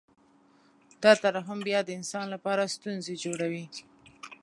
دا ترحم بیا د انسان لپاره ستونزې جوړوي